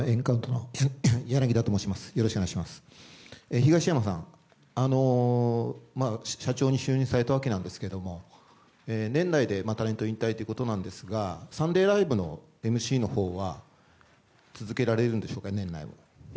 東山さん社長に就任されたわけですが年内でタレント引退ということなんですが「サンデーＬＩＶＥ！！」のＭＣのほうは年内は続けられるんでしょうか。